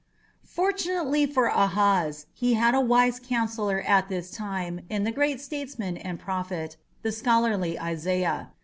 Fortunately for Ahaz he had a wise counsellor at this time in the great statesman and prophet, the scholarly Isaiah.